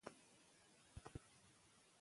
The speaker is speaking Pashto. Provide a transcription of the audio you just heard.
د ماشوم د ستوني غږ بدلون وګورئ.